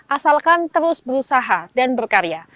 asalkan terus berusaha dan berkarya